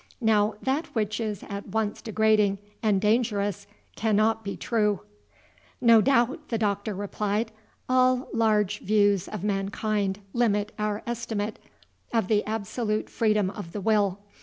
Now that which is at once degrading and dangerous cannot be true." "No doubt," the Doctor replied, "all large views of mankind limit our estimate of the absolute freedom of the will.